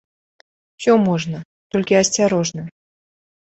Усё можна, толькі асцярожна.